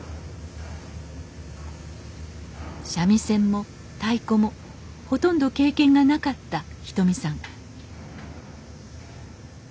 三味線も太鼓もほとんど経験がなかったひとみさん